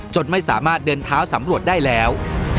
ไม่สามารถเดินเท้าสำรวจได้แล้ว